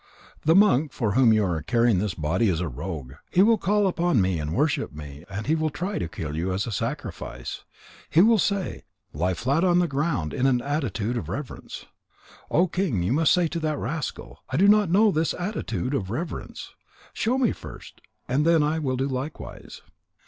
The monk for whom you are carrying this body, is a rogue. He will call upon me and worship me, and he will try to kill you as a sacrifice. He will say: Lie flat on the ground in an attitude of reverence.' O King, you must say to that rascal: I do not know this attitude of reverence. Show me first, and then I will do likewise.'